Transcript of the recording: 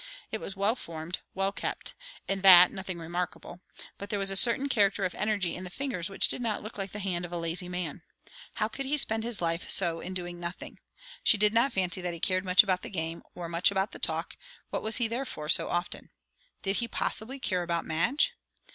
It was well formed, well kept; in that nothing remarkable; but there was a certain character of energy in the fingers which did not look like the hand of a lazy man. How could he spend his life so in doing nothing? She did not fancy that he cared much about the game, or much about the talk; what was he there for, so often? Did he, possibly, care about Madge?